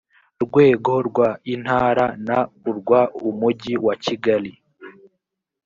rwego rw intara n urw umujyi wa kigali